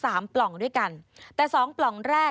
สวัสดีค่ะสวัสดีค่ะ